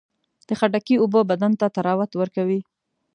د خټکي اوبه بدن ته طراوت ورکوي.